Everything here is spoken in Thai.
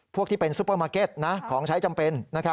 พวกที่เป็นซูเปอร์มาร์เก็ตของใช้จำเป็น